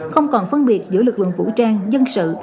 không còn phân biệt giữa lực lượng vũ trang dân sự